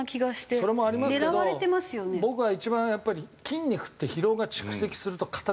それもありますけど僕は一番やっぱり筋肉って疲労が蓄積すると硬くなるんですよ。